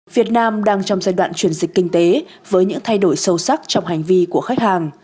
việt nam đang trong giai đoạn chuyển dịch kinh tế với những thay đổi sâu sắc trong hành vi của khách hàng